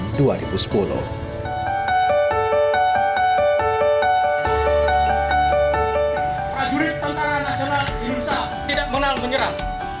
prajurit tentara nasional indonesia tidak menang menyerang